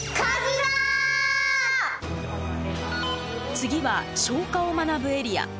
次は消火を学ぶエリア。